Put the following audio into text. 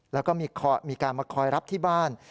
แล้วก็มีการมาคอยรับที่บ้าน